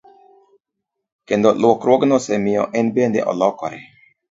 Kendo lokruokgo osemiyo en bende olokore.